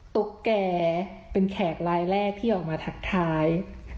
ตุ๊กแก่เป็นแขกลายแรกที่ออกมาทักทาย